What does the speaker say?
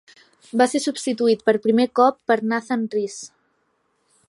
Va ser substituït per primer cop per Nathan Rees.